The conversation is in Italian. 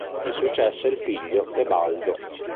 Gli successe il figlio Tebaldo.